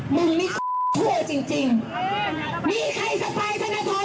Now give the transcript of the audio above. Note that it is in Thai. มึงโดนเว้ยไอ้ธนาคมไอ้ปียบุตร